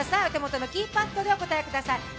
お手元のキーパットでお答えください。